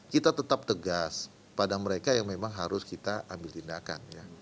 kita tetap tegas pada mereka yang memang harus kita ambil tindakan